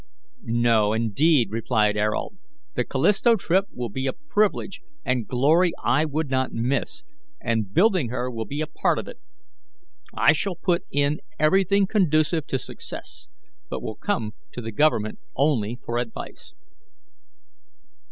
"No, indeed," replied Ayrault; "the Callisto trip will be a privilege and glory I would not miss, and building her will be a part of it. I shall put in everything conducive to success, but will come to the Government only for advice."